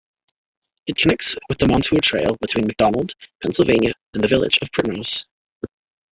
It connects with the Montour Trail between McDonald, Pennsylvania and the village of Primrose.